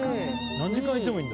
何時間いてもいいんだ！